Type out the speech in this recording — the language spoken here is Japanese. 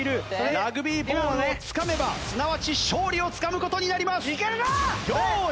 ラグビーボールをつかめばすなわち勝利をつかむ事になります。用意。